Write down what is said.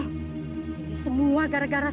ini semua gara gara si tuhan